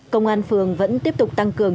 công an phường vẫn tiếp tục tăng cường